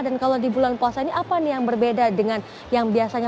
dan kalau di bulan puasa ini apa nih yang berbeda dengan yang biasanya